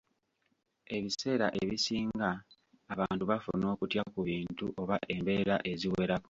Ebiseera ebisinga abantu bafuna okutya ku bintu oba embeera eziwerako